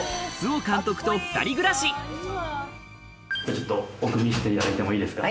ちょっと奥見せていただいてもいいですか？